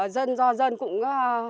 dân do dân cũng